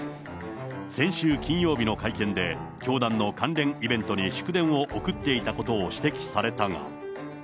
先週金曜日の会見で、教団の関連イベントに祝電を送っていたことを指摘されたが。